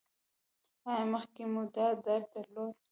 ایا مخکې مو دا درد درلود؟